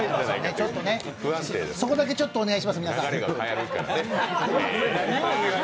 そこだけちょっとお願いします、皆さん。